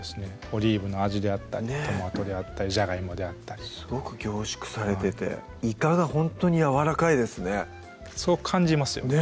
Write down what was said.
オリーブの味であったりトマトであったりじゃがいもであったりすごく凝縮されてていかがほんとにやわらかいですねそう感じますよね